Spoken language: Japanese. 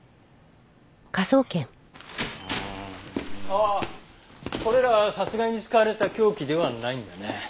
あっこれらは殺害に使われた凶器ではないんだね。